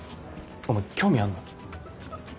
お前興味あんの？